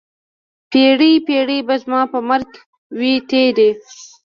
پیړۍ، پیړۍ به زما په مرګ وي تېرې